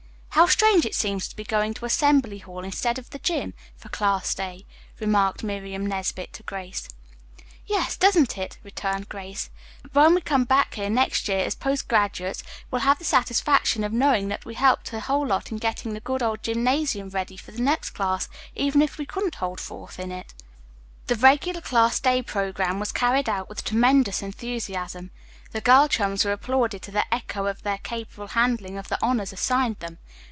"How strange it seems to be going to Assembly Hall instead of the gym. for class day," remarked Miriam Nesbit to Grace. "Yes, doesn't it?" returned Grace. "But when we come lack here next year as post graduates, we'll have the satisfaction of knowing that we helped a whole lot in getting the good old gym. ready for the next class, even if we couldn't hold forth in it." The regular class day programme was carried out with tremendous enthusiasm. The girl chums were applauded to the echo for their capable handling of the honors assigned them.